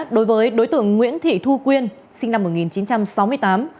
đối với đối tượng nguyễn thị thu quyên sinh năm một nghìn chín trăm sáu mươi tám